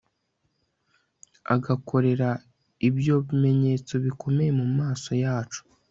agakorera ibyo bimenyetso bikomeye mu maso yacu